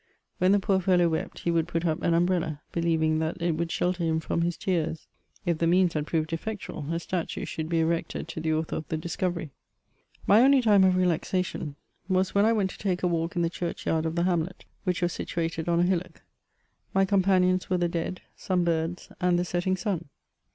When the poor fellow wept, he would put up an umbrella, believing that it would shelter him from his tears : if the means had proved effectual, a statue should be erected to the author of the discovery. My only time of relaxation was when I went to take a walk in the church yard of the hamlet, which was situated on a hillock. My companions were the dead, some birds, and the setting sun.